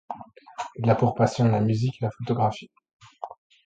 Il a pour passion la musique et la photographie.